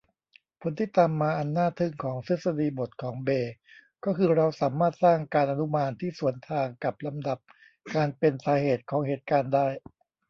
ผลที่ตามมาอันน่าทึ่งของทฤษฎีบทของเบย์ก็คือเราสามารถสร้างการอนุมานที่สวนทางกับลำดับการเป็นสาเหตุของเหตุการณ์ได้